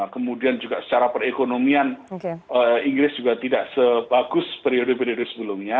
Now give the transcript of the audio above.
kemudian juga secara perekonomian inggris juga tidak sebagus periode periode sebelumnya